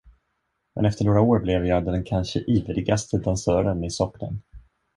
Men efter några år blev jag den kanske ivrigaste dansören i socknen.